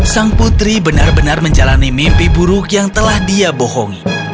sang putri benar benar menjalani mimpi buruk yang telah dia bohongi